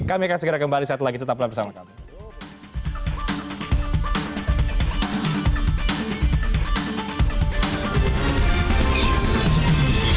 kami akan segera kembali satu lagi tetaplah bersama kamu